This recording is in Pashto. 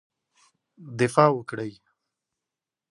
دفاع وکړی.